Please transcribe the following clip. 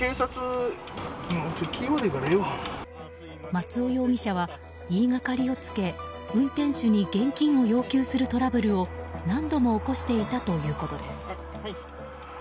松尾容疑者は言いがかりをつけ運転手に現金を要求するトラブルを何度も起こしていたということです。